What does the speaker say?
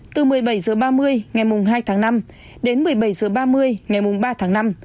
từ một mươi bảy h ba mươi ngày hai tháng năm đến một mươi bảy h ba mươi ngày ba tháng năm